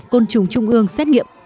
côn trùng trung ương xét nghiệm